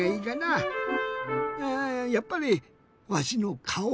あやっぱりわしのかお？